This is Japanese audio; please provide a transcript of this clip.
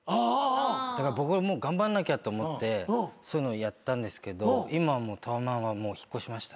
だから僕も頑張んなきゃと思ってそういうのやったんですけど今はもうタワマンは引っ越しました。